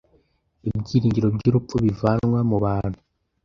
Ibyiringiro by'urupfu bivanwa mu bantu